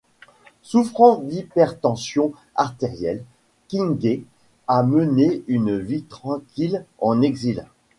Souffrant d'hypertension artérielle, Kingué a mené une vie tranquille en exil.